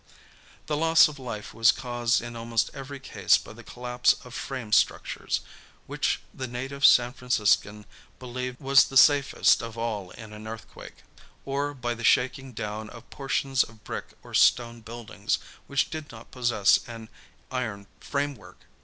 The loss of life was caused in almost every case by the collapse of frame structures, which the native San Franciscan believed was the safest of all in an earthquake, or by the shaking down of portions of brick or stone buildings which did not possess an iron framework.